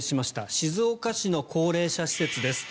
静岡市の高齢者施設です。